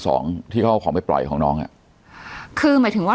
สองที่เขาเอาของไปปล่อยของน้องอ่ะคือหมายถึงว่า